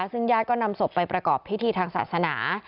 ซึ่งญาติก็นำศพไปประกอบพิธีทางศาสนา